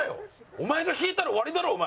お前が引いたら終わりだろ？お前。